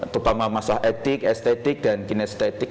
terutama masalah etik estetik dan kinestetik